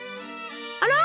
あら？